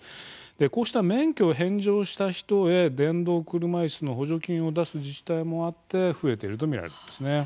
こうした免許を返上した人で電動車いすの補助金を出す自治体もあって増えているとみられます。